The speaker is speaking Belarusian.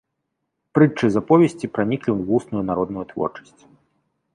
Прытчы з аповесці праніклі ў вусную народную творчасць.